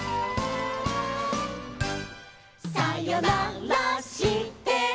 「さよならしても」